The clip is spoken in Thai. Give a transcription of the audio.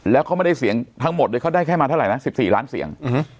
แล้วเขาไม่ได้เสียงทั้งหมดเลยเขาได้แค่มาเท่าไหร่นะ๑๔ล้านเสียง